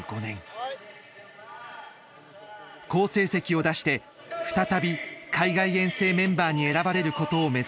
好成績を出して再び海外遠征メンバーに選ばれることを目指しています。